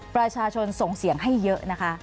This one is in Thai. ประชาชนส่งเสียงให้เยอะนะคะ